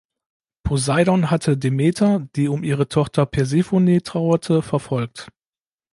Poseidon hatte Demeter, die um ihre Tochter Persephone trauerte, verfolgt.